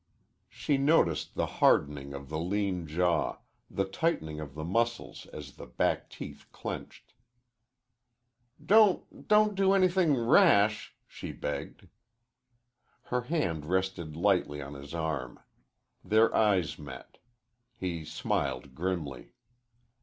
She noticed the hardening of the lean jaw, the tightening of the muscles as the back teeth clenched. "Don't don't do anything rash," she begged. Her hand rested lightly on his arm. Their eyes met. He smiled grimly.